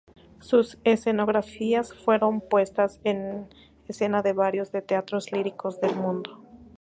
Sus escenografías fueron puestas en escena de varios de teatros líricos del mundo.